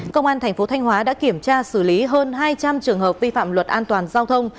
công an thành phố thanh hóa đã kiểm tra xử lý hơn hai trăm linh trường hợp vi phạm luật an toàn giao thông